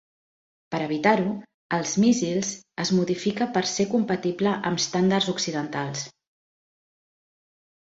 Per evitar-ho, els míssil es modifica per ser compatible amb estàndards occidentals.